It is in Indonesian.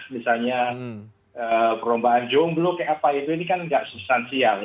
misalnya perombaan jomblo itu tidak substansial